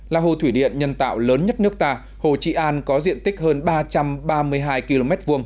là hồ thủy điện nhân tạo lớn nhất nước ta hồ trị an có diện tích hơn ba trăm ba mươi hai km hai